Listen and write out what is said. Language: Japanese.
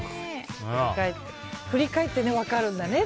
振り返って分かるんだね。